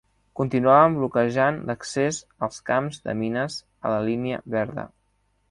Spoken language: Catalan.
Continuaven bloquejant l'accés als camps de mines a la línia verda.